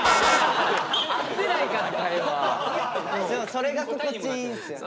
それが心地いいんすよね。